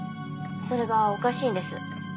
それがおかしいんです。